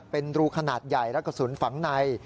เป็นรูขนาดใหญ่และกระสุนฝังใน